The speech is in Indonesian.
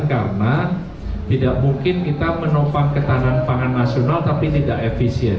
karena tidak mungkin kita menopang ketahanan pangan nasional tapi tidak efisien